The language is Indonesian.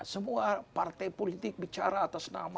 semua partai politik bicara atas nama